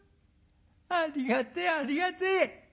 ありがてえありがてえ。